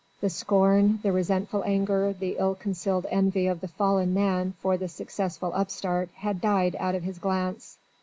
The scorn, the resentful anger, the ill concealed envy of the fallen man for the successful upstart had died out of his glance.